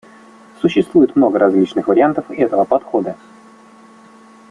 Существует много различных вариантов этого подхода.